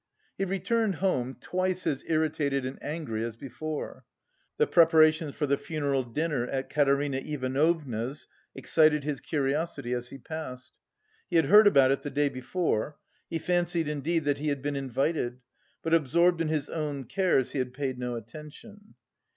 He returned home, twice as irritated and angry as before. The preparations for the funeral dinner at Katerina Ivanovna's excited his curiosity as he passed. He had heard about it the day before; he fancied, indeed, that he had been invited, but absorbed in his own cares he had paid no attention.